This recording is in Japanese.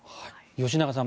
吉永さん